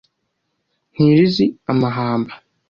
ntirizi amahamba